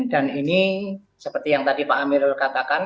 dan ini seperti yang tadi pak amir katakan